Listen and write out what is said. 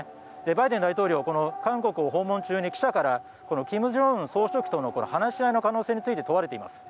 バイデン大統領は韓国を訪問中に記者から金正恩総書記との話し合いの可能性について問われています。